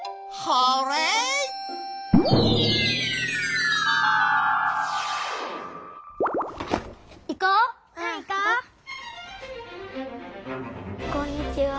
はいこんにちは。